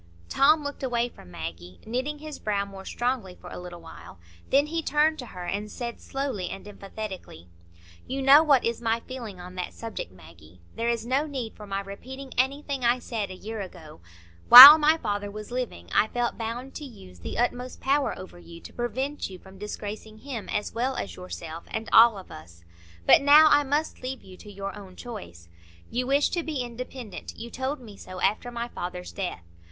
Tom looked away from Maggie, knitting his brow more strongly for a little while. Then he turned to her and said, slowly and emphatically,— "You know what is my feeling on that subject, Maggie. There is no need for my repeating anything I said a year ago. While my father was living, I felt bound to use the utmost power over you, to prevent you from disgracing him as well as yourself, and all of us. But now I must leave you to your own choice. You wish to be independent; you told me so after my father's death.